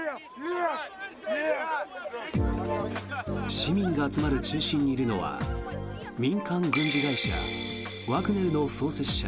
市民が集まる中心にいるのは民間軍事会社ワグネルの創設者